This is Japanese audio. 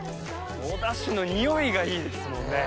お出汁の匂いがいいですもんね。